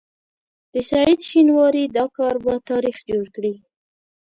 د سعید شینواري دا کار به تاریخ جوړ کړي.